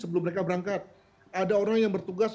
sebelum mereka berangkat ada orang yang bertugas